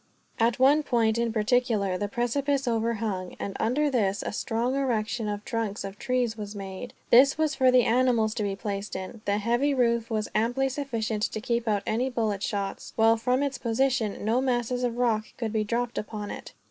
At one point in particular the precipice overhung, and under this a strong erection of the trunks of trees was made. This was for the animals to be placed in. The heavy roof was amply sufficient to keep out any bullet shots; while, from its position, no masses of rock could be dropped upon it.